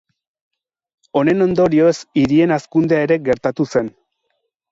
Honen ondorioz hirien hazkundea ere gertatu zen.